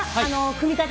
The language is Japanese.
組み立て。